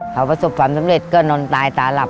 เขาประสบความสำเร็จก็นอนตายตาหลับ